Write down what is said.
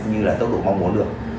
như là tốc độ mong muốn được